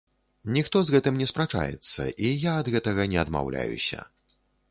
Ніхто з гэтым не спрачаецца, і я ад гэтага не адмаўляюся.